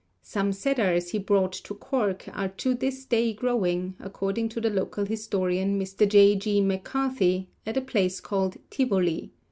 Some cedars he brought to Cork are to this day growing, according to the local historian, Mr. J. G. MacCarthy, at a place called Tivoli.